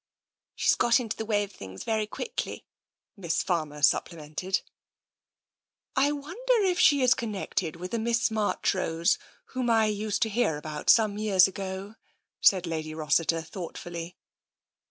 " She's got into the way of things very quickly," Miss Farmer supplemented. " I wonder if she is connected with a Miss March rose whom I used to hear about, some years ago " said Lady Rossiter thoughtfully.